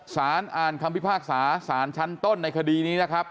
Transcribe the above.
สารอ่านคำพิพากษาสารชั้นต้นในคดีนี้นะครับ